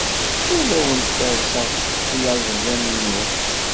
Ur awen-ferrseɣ tiyaziḍin-nwen.